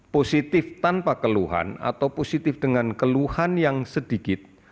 positif tanpa keluhan atau positif dengan keluhan yang sedikit